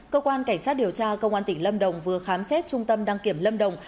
cơ quan cảnh sát điều tra công an tỉnh lâm đồng vừa khám xét trung tâm đăng kiểm lâm đồng